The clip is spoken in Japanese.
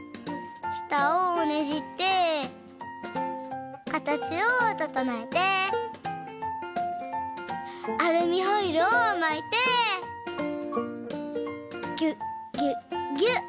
したをねじってかたちをととのえてアルミホイルをまいてぎゅっぎゅっぎゅっ。